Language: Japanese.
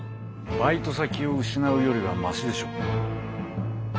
バイト先を失うよりはましでしょう。